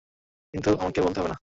কিন্তু আমাকে বলতে হবে না।